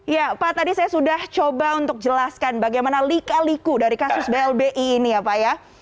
ya pak tadi saya sudah coba untuk jelaskan bagaimana lika liku dari kasus blbi ini ya pak ya